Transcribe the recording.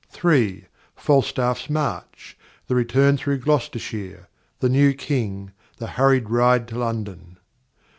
(3) Falstaff's March. The Return through Gloucestershire. The New King. The hurried Ride to London.